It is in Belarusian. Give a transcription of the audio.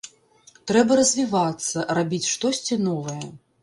Трэба развівацца, рабіць штосьці новае.